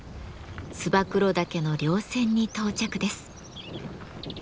燕岳の稜線に到着です。